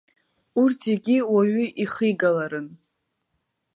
Урҭ зегьы уаҩы ихигаларын.